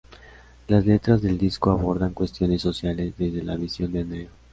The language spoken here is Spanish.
Las letras del disco abordan cuestiones sociales desde la visión de Andrea.